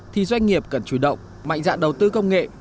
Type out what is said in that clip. thì doanh nghiệp cần chủ động mạnh dạn đầu tư công nghệ